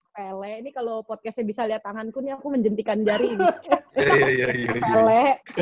spele ini kalau podcastnya bisa lihat tanganku aku menjentikan jari ini spele